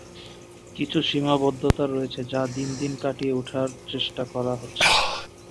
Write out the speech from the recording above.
কিছু সীমাবদ্ধতা রয়েছে যা দিন দিন কাটিয়ে উঠার চেষ্টা করা হচ্ছে।